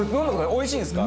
おいしいんですか？